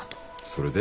それで？